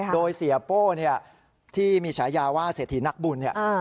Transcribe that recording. โดยเสียโป้ที่มีฉายาว่าเศรษฐีนักบุญเนี่ย